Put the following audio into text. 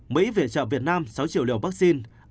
mỹ viện trợ việt nam sáu triệu liều vaccine